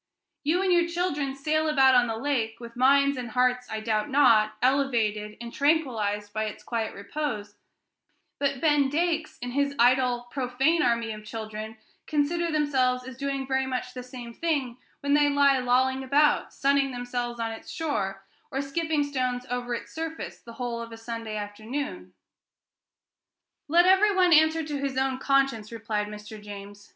You and your children sail about on the lake, with minds and hearts, I doubt not, elevated and tranquilized by its quiet repose; but Ben Dakes, and his idle, profane army of children, consider themselves as doing very much the same thing when they lie lolling about, sunning themselves on its shore, or skipping stones over its surface the whole of a Sunday afternoon." "Let every one answer to his own conscience," replied Mr. James.